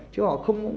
chứ họ không